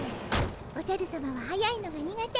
おじゃるさまははやいのが苦手。